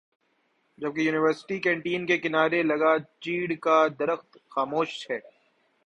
جبکہ university canteen کے کنارے لگا چیڑ کا درخت خاموش ہے